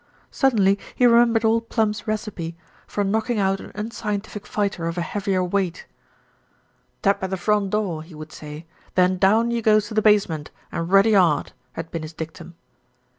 Suddenly he remembered Old Plum's recipe for 304 THE RETURN OF ALFRED knocking out an unscientific fighter of a heavier weight. "Tap at the front door, he would say, then down you goes to the basement, and ruddy 'ard," had been his dictum.